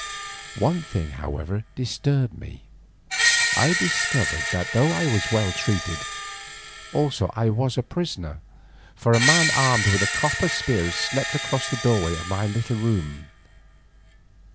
One thing, however, disturbed me; I discovered that though I was well treated, also I was a prisoner, for a man armed with a copper spear slept across the doorway of my little room.